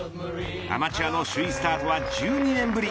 アマチュアの首位スタートは１２年ぶり。